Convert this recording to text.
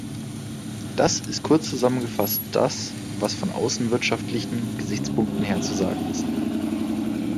Das ist kurz zusammengefasst das, was von außenwirtschaftlichen Gesichtspunkten her zu sagen ist.